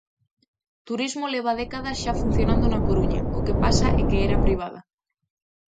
Turismo leva décadas xa funcionando na Coruña, o que pasa é que era privada.